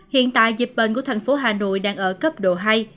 hiện tại dịch bệnh của thành phố hà nội đang ở cấp độ hai